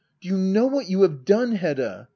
Do you know what you have done, Hedda ?